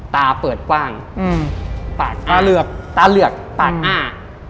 ตาเปิดกว้างตาเหลือกตาอ้า